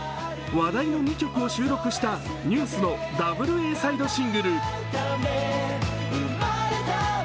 話題の２曲を収録したＮＥＷＳのダブルＡサイドシングル。